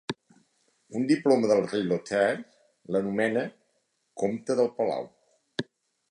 Un diploma del rei Lothair l'anomena "comte del palau".